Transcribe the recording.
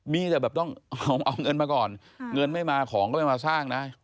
มีแต่แบบต้องเอาเงินมาก่อนเงินไม่มาของก็ไม่มาสร้างนะ